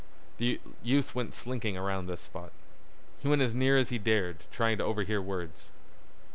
The youth went slinking around this spot. He went as near as he dared trying to overhear words.